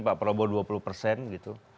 pak prabowo dua puluh persen gitu